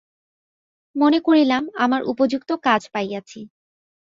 মনে করিলাম, আমার উপযুক্ত কাজ পাইয়াছি।